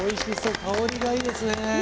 香りがいいですね。